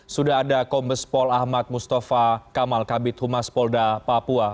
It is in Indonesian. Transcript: sudah ada kombespol ahmad mustafa kamal kabit humas polda papua